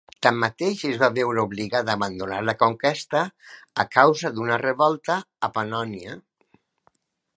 Tanmateix, es va veure obligat a abandonar la conquesta a causa d'una revolta a Pannònia.